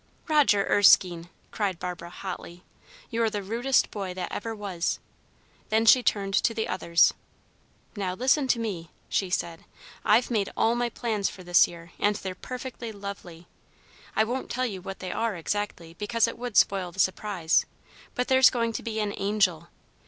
"Roger Erskine!" cried Barbara, hotly. "You're the rudest boy that ever was!" Then she turned to the others. "Now listen to me," she said. "I've made all my plans for this year, and they're perfectly lovely. I won't tell you what they are, exactly, because it would spoil the surprise, but there's going to be an angel!